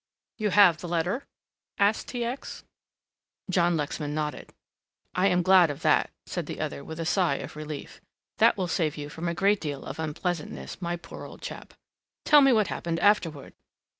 "You have the letter!" asked T. X. John Lexman nodded. "I am glad of that," said the other with a sigh of relief, "that will save you from a great deal of unpleasantness, my poor old chap. Tell me what happened afterward."